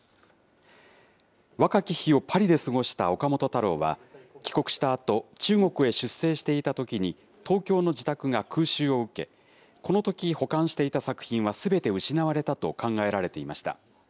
若き日をパリで過ごした岡本太郎は、帰国したあと、中国へ出征していたときに東京の自宅が空襲を受け、このとき、保管していた作品はすべて失われたと考えられていました。